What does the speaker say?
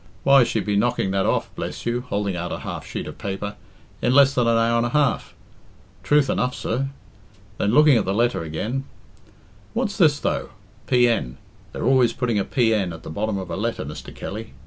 Why, she'd be knocking that off, bless you," holding out a half sheet of paper, "in less than an hour and a half. Truth enough, sir." Then, looking at the letter again, "What's this, though? PN. They're always putting a P.N. at the bottom of a letter, Mr. Kelly.